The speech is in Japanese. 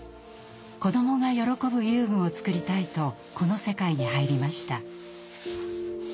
子どもが喜ぶ遊具を作りたいとこの世界に入りました。